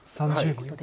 ３０秒。